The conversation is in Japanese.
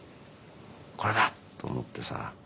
「これだ！」って思ってさ。